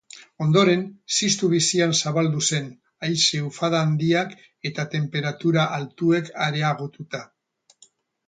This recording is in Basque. Ondoren, ziztu bizian zabaldu zen, haize-ufada handiak eta tenperatura altuek areagotuta.